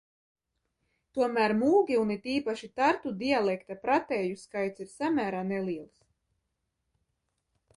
Tomēr mulgi un it īpaši tartu dialekta pratēju skaits ir samērā neliels.